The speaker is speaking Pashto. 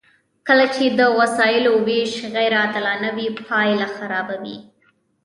کله چې د وسایلو ویش غیر عادلانه وي پایله خرابه وي.